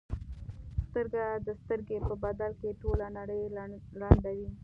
سترګه د سترګې په بدل کې ټوله نړۍ ړندوي.